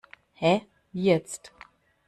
Hä, wie jetzt?